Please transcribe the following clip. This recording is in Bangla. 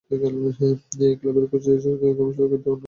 ক্লাবের কোচ ভিক্টর কুমিকভ তাই এতে অন্য কিছুর গন্ধ খুঁজতে নিষেধও করেছেন।